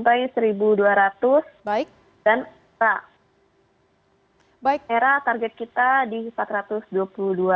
dan era target kita di rp empat ratus dua puluh dua